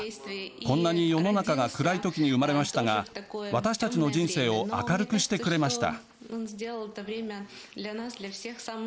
こんなに世の中が暗い時に産まれましたが私たちの人生を明るくしてくれました。